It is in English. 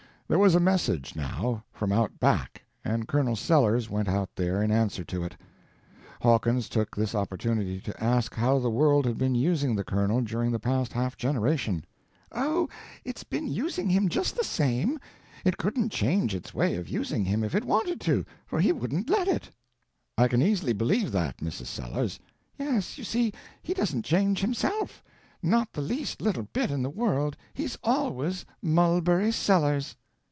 There was a message, now, from out back, and Colonel Sellers went out there in answer to it. Hawkins took this opportunity to ask how the world had been using the Colonel during the past half generation. "Oh, it's been using him just the same; it couldn't change its way of using him if it wanted to, for he wouldn't let it." "I can easily believe that, Mrs. Sellers." "Yes, you see, he doesn't change, himself—not the least little bit in the world—he's always Mulberry Sellers."